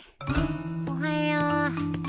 おはよう。